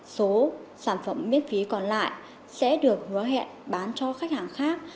số sản phẩm miễn phí còn lại sẽ được hứa hẹn bán cho khách hàng khác